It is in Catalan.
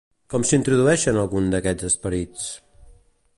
Com s'introdueixen alguns d'aquests esperits?